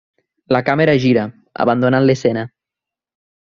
La càmera gira, abandonant l'escena.